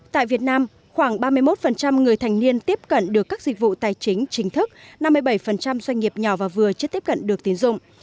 tại việt nam khoảng ba mươi một người thành niên tiếp cận được các dịch vụ tài chính chính thức năm mươi bảy doanh nghiệp nhỏ và vừa chưa tiếp cận được tiến dụng